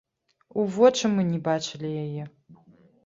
У вочы мы не бачылі яе!